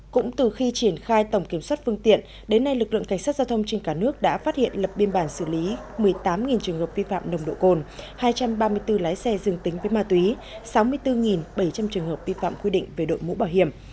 cũng từ khi triển khai tổng kiểm soát phương tiện đến nay lực lượng cảnh sát giao thông trên cả nước đã phát hiện lập biên bản xử lý một mươi tám trường hợp vi phạm nồng độ cồn hai trăm ba mươi bốn lái xe dương tính với ma túy sáu mươi bốn bảy trăm linh trường hợp vi phạm quy định về đội mũ bảo hiểm